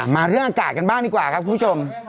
มาเรื่องอากาศกันบ้างดีกว่าครับคุณผู้ชม